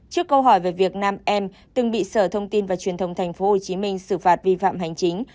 trước câu hỏi về việc nam em từng bị sở thông tin và truyền thông tp hcm xử phạt vi phạm hành chính